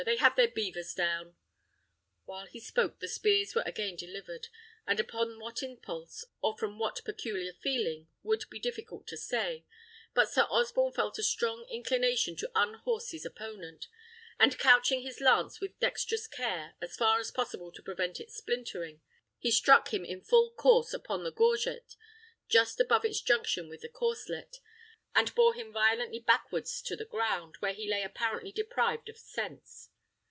They have their beavers down." While he spoke the spears were again delivered; and upon what impulse, or from what peculiar feeling, would be difficult to say, but Sir Osborne felt a strong inclination to unhorse his opponent; and couching his lance with dexterous care, as far as possible to prevent its splintering, he struck him in full course upon the gorget, just above its junction with the corslet, and bore him violently backwards to the ground, where he lay apparently deprived of sense.